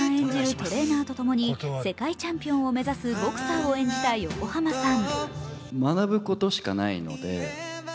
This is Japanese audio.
トレーナーとともに世界チャンピオンを目指すボクサーを演じた横浜さん。